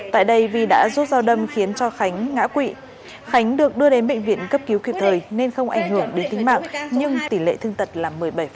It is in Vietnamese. tại đây vi đã rút dao đâm khiến cho khánh ngã quỵ khánh được đưa đến bệnh viện cấp cứu kịp thời nên không ảnh hưởng đến tính mạng nhưng tỷ lệ thương tật là một mươi bảy